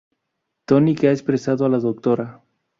Tony, que ha expresado a la Dra.